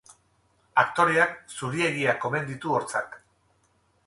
Aktoreak zuriegiak omen ditu hortzak.